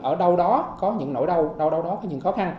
ở đâu đó có những nỗi đau ở đâu đó có những khó khăn